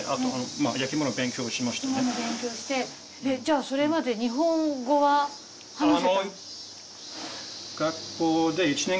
じゃあそれまで日本語は話せた？